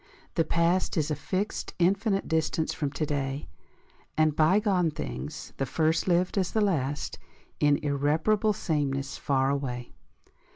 The past Is a fixed infinite distance from to day, And bygone things, the first lived as the last, In irreparable sameness far away.